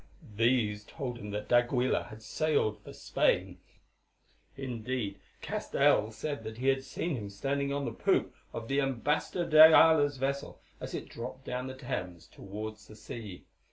These told him that d'Aguilar had sailed for Spain indeed, Castell said that he had seen him standing on the poop of the Ambassador de Ayala's vessel as it dropped down the Thames towards the sea.